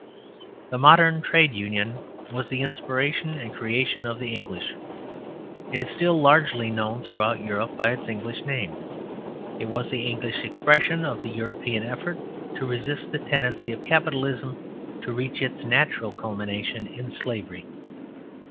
The modern Trade Union was the inspiration and creation of the English; it is still largely known throughout Europe by its English name. It was the English expression of the European effort to resist the tendency of Capitalism to reach its natural culmination in slavery.